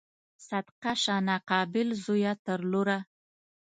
صدقه شه ناقابل زویه تر لوره